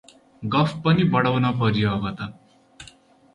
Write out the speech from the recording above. गफ पनि बढाउन पर्यो अब त ।